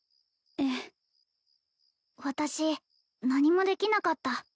ええ私何もできなかった